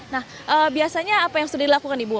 nah biasanya apa yang sudah dilakukan ibu